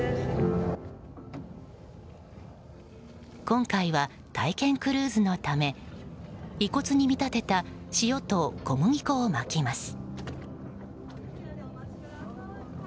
今回は体験クルーズのため遺骨に見立てた塩と小麦粉をまきます。